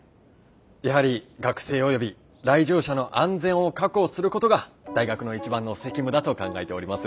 「やはり学生及び来場者の安全を確保することが大学の一番の責務だと考えております」。